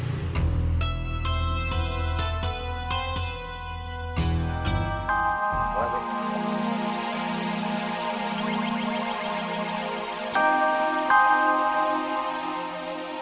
berni kedengaran saya pelurus dan anak anak saya